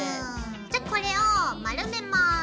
じゃあこれを丸めます。